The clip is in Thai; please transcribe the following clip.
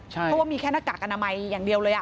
เพราะว่ามีแค่หน้ากากอนามัยอย่างเดียวเลย